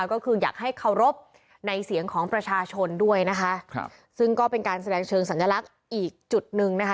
ก็คืออยากให้เคารพในเสียงของประชาชนด้วยนะคะครับซึ่งก็เป็นการแสดงเชิงสัญลักษณ์อีกจุดหนึ่งนะคะ